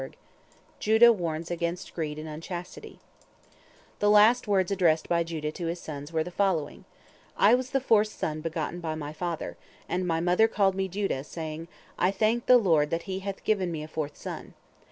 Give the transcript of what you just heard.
JUDAH WARNS AGAINST GREED AND UNCHASTITY The last words addressed by Judah to his sons were the following: "I was the fourth son begotten by my father, and my mother called me Judah, saying, 'I thank the Lord that He hath given me a fourth son.'